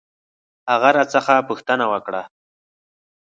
هغه راڅخه پوښتنه وکړ.